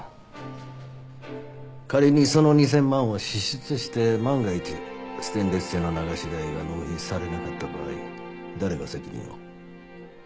仮にその２０００万を支出して万が一ステンレス製の流し台が納品されなかった場合誰が責任を？